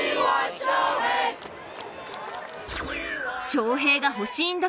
「翔平が欲しいんだ」